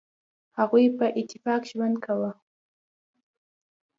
هغوی په اتفاق ژوند کاوه.